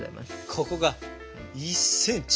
ここが１ｃｍ。